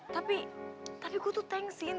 tapi tapi gue tuh thanks in